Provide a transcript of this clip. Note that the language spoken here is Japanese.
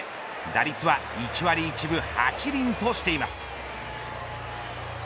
打率は１割１分８厘としています。